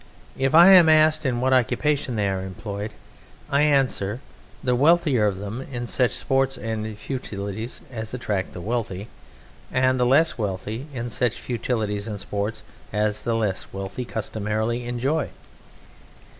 If I am asked in what occupation they are employed, I answer, the wealthier of them in such sports and futilities as attract the wealthy, and the less wealthy in such futilities and sports as the less wealthy customarily enjoy.